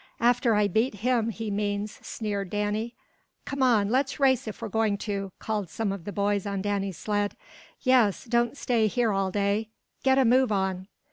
"After I beat him, he means," sneered Danny. "Come on, let's race if we're going to," called some of the boys on Danny's sled. "Yes; don't stay here all day." "Get a move on!"